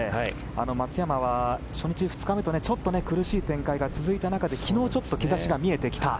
松山は初日、２日目とちょっと苦しい展開が続いた中で昨日ちょっと兆しが見えてきた。